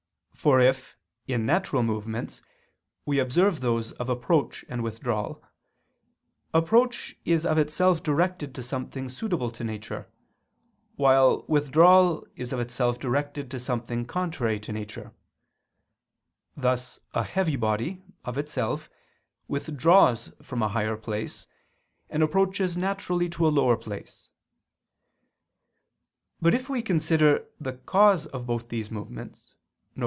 For if, in natural movements, we observe those of approach and withdrawal, approach is of itself directed to something suitable to nature; while withdrawal is of itself directed to something contrary to nature; thus a heavy body, of itself, withdraws from a higher place, and approaches naturally to a lower place. But if we consider the cause of both these movements, viz.